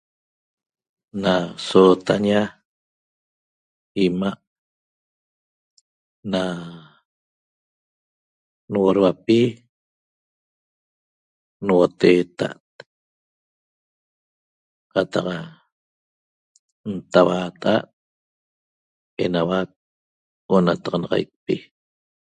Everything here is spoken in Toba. Na sootaña 'ima' na nuoduapi nuoteeta't qataq ntauaata'a't enauac onataxanaxaicpi